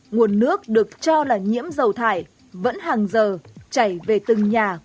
nguồn nước được cho là nhiễm dầu thải vẫn hàng giờ chảy về từng nhà